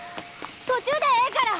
途中でええから。